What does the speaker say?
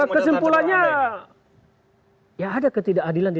kesimpulannya ya ada ketidakadilan di